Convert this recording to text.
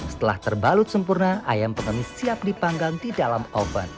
setelah terbalut sempurna ayam pengemis siap dipanggang di dalam oven